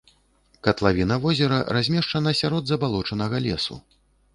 Катлавіна возера размешчана сярод забалочанага лесу.